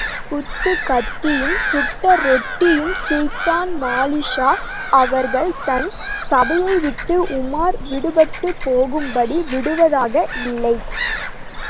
குத்துக் கத்தியும் சுட்ட ரொட்டியும் சுல்தான் மாலிக்ஷா அவர்கள் தன் சபையைவிட்டு உமார் விடுபட்டுப் போகும்படி விடுவதாக இல்லை.